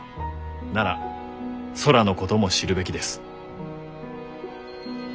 なら空のことも知るべきです。